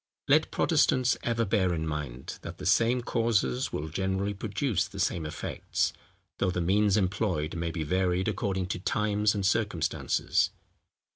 Let Protestants ever bear in mind, that the same causes will generally produce the same effects, though the means employed may be varied according to times and circumstances.